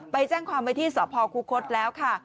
ไปแจ้งความไว้ที่สพคุคศแล้วค่ะ